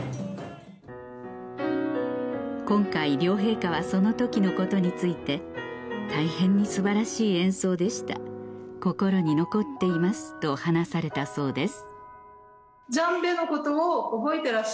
今回両陛下はその時のことについて「大変に素晴らしい演奏でした心に残っています」と話されたそうです